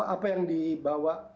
apa yang dibawa